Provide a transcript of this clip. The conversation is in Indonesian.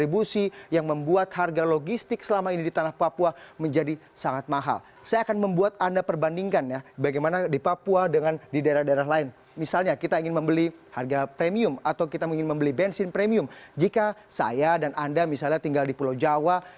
berikut laporannya untuk anda